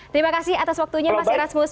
terima kasih atas waktunya mas irasmus